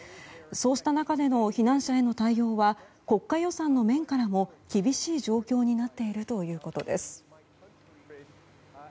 そうした中での避難者への対応は国家予算の面からも厳しい状況になっているということです。